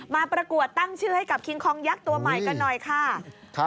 ประกวดตั้งชื่อให้กับคิงคองยักษ์ตัวใหม่กันหน่อยค่ะ